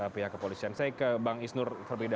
pihak kepolisian saya ke bang isnur